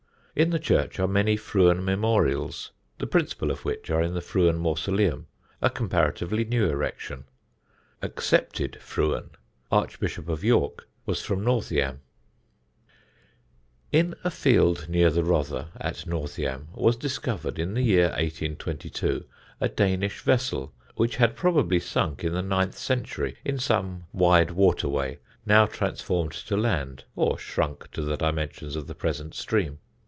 In the church are many Frewen memorials, the principal of which are in the Frewen mausoleum, a comparatively new erection. Accepted Frewen, Archbishop of York, was from Northiam. [Sidenote: A DANISH VESSEL] In a field near the Rother at Northiam was discovered, in the year 1822, a Danish vessel, which had probably sunk in the ninth century in some wide waterway now transformed to land or shrunk to the dimensions of the present stream.